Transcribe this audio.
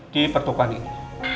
di pertopan ini